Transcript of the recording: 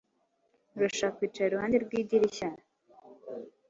Urashaka kwicara iruhande rw'idirishya?